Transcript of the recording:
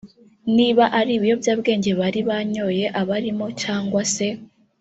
niba ari ibiyobyabwenge bari banyoye abarimo cyangwa se